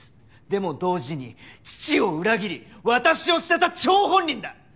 でも同時に父を裏切り私を捨てた張本人だ。